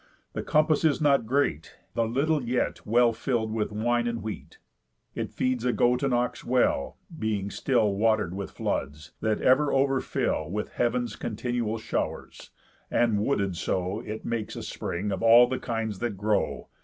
The compass is not great, The little yet well fill'd with wine and wheat. It feeds a goat and ox well, being still Water'd with floods, that ever over fill With heav'n's continual show'rs; and wooded so, It makes a spring of all the kinds that grow.